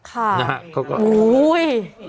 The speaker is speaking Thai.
ค่ะนะฮะเขาก็โอ้ย